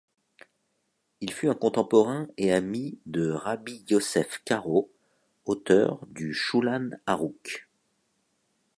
Il fut un contemporain et ami de Rabbi Yossef Karo, auteur du Choulhan Aroukh.